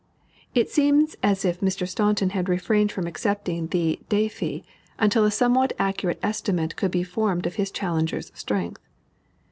It seems as if Mr. Staunton had refrained from accepting the défi until a somewhat accurate estimate could be formed of his challenger's strength.